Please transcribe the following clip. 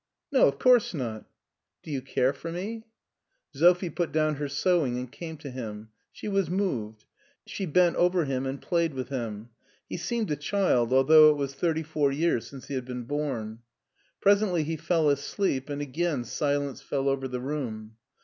" No, of course not." " Do you care for me ?" Sophie put down her sewing and came to him. She was moved. She bent over him and played with him. He seemed a child although it was thirty four years since he had been bom. Presently he. fell asleep and again silence fell over the room.